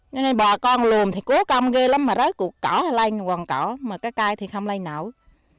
nên bà con lùm thì cố cầm ghê lắm mà rớt cụ cỏ lên quần cỏ mà cái cây thì không lây nổi